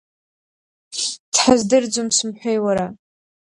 Дҳаздырӡом сымҳәеи уара!